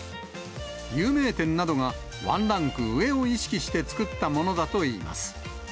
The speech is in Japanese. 有名店などがワンランク上を意識して作ったものだといいます。